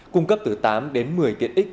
cung cấp từ tám một mươi tiện ích